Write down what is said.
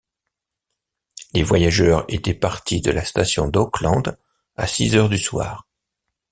Les voyageurs étaient partis de la station d’Oakland à six heures du soir.